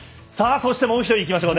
そして、もう１人いきましょう。